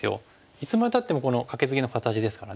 いつまでたってもこのカケツギの形ですからね。